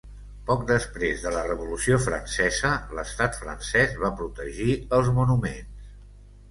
Poc després de la Revolució Francesa, l'estat francès va protegir els monuments.